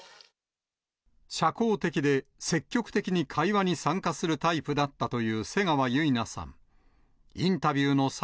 社交的で、積極的に会話に参加するタイプだったという瀬川結菜さん。